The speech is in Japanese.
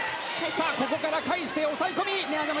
ここから返して抑え込み。